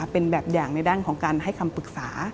เป็นแบบอย่างในด้านของการให้คำปรึกษา